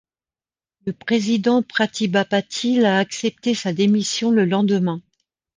Le président Pratibha Patil a accepté sa démission le lendemain.